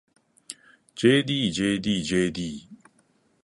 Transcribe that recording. ｊｄｊｄｊｄ